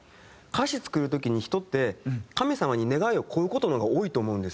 歌詞作る時に人って神様に願いを乞う事の方が多いと思うんですよ。